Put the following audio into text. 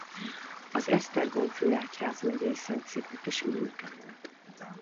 Az esztergom-főegyházmegyei szentszéknek is ülnöke volt.